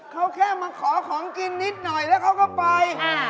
เขาแค่มาขอของกินนิดหน่อยแล้วเขาก็ไป